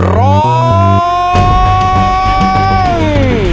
ร้อง